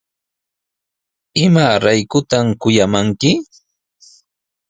¿Imaraykutaq kuyamankiku?